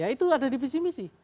itu ada di visi misi